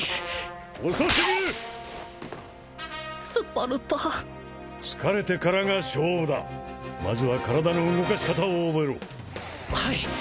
遅すぎるスパルタ疲れてからが勝負だまずは体の動かし方を覚えろはい！